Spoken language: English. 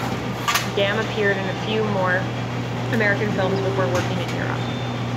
Gam appeared in a few more American films before working in Europe.